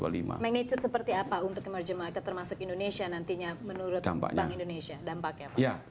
bank indonesia dampaknya apa